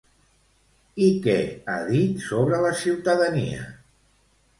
I què ha dit sobre la ciutadania?